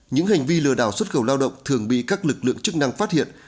những hành vi lừa đảo xuất khẩu lao động thường bị các lực lượng chức năng phát hiện